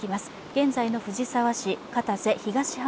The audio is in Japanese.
現在の藤沢市、片瀬東浜